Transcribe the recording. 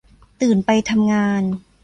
ตื่นไปทำงาน